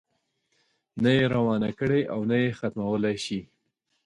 نه یې روانه کړې او نه یې ختمولای شي.